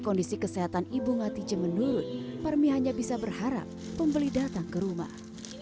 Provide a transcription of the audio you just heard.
kondisi kesehatan ibu ngatice menurun parmi hanya bisa berharap pembeli datang ke rumah